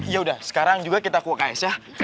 ya udah sekarang juga kita ke uks ya